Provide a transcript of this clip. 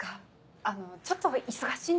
あのちょっと忙しいんですけど。